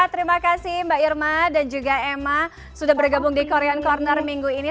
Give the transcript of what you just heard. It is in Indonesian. terima kasih mbak irma dan juga emma sudah bergabung di korean corner minggu ini